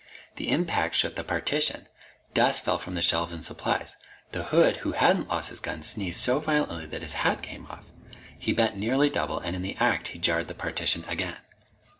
The impact shook the partition. Dust fell from the shelves and supplies. The hood who hadn't lost his gun sneezed so violently that his hat came off. He bent nearly double, and in the act he jarred the partition again.